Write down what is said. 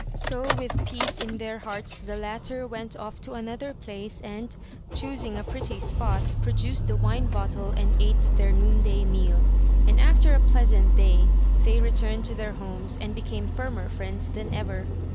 So, with peace in their hearts, the latter went off to another place, and, choosing a pretty spot, produced the wine bottle and ate their noonday meal; and after a pleasant day, they returned to their homes, and became firmer friends than ever.